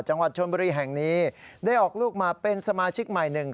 จังหวัดชนบุรีแห่งนี้ได้ออกลูกมาเป็นสมาชิกใหม่หนึ่ง